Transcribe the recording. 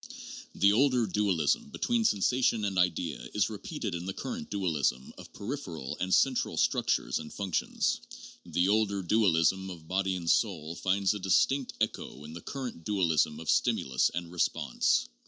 The older dualism between sensation and idea is repeated in the current dualism of peripheral and central structures and functions ; the older dualism of body and soul finds a distinct 358 JOHN DEWEY. echo in the current dualism of stimulus and response.